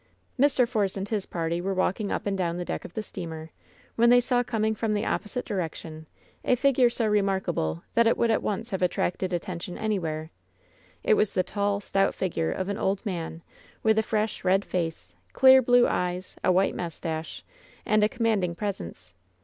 Mr. Force and his party were walking up and down the deck of the steamer, when they saw coming from the opposite direction a figure so remarkable that it would at once have attracted attention anywhere. 88 WHEN SHADOWS DIE It was the tall, stout figure of an old man, with a fresh, red face, clear blue eyes, a white mustache, and a commanding presence.